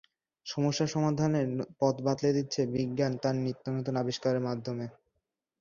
সমস্যা সমাধানের পথ বাতলে দিচ্ছে বিজ্ঞান তার নিত্যনতুন আবিষ্কারের মাধ্যমে।